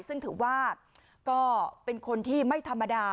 ซึ่งถือว่าก็เป็นคนที่ไม่ธรรมดา